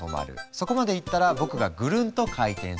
そこまでいったら僕がぐるんと回転する。